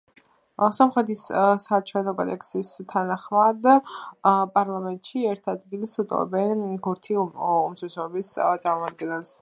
სომხეთის საარჩევნო კოდექსის თანახმად პარლამენტში ერთ ადგილს უტოვებენ ქურთი უმცირესობის წარმომადგენელს.